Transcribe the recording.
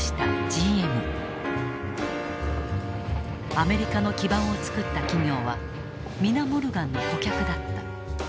アメリカの基盤を作った企業は皆モルガンの顧客だった。